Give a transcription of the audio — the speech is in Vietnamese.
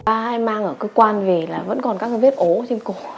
ai mang ở cơ quan về là vẫn còn các cái vết ố trên cổ